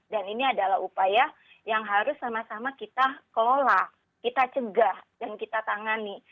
dan ini adalah upaya yang harus sama sama kita kelola kita cegah dan kita tangani